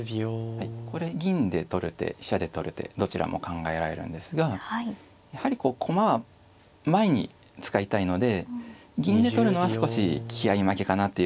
はいこれ銀で取る手飛車で取る手どちらも考えられるんですがやはりこう駒は前に使いたいので銀で取るのは少し気合い負けかなという感じがしますね。